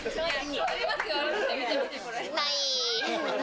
ない。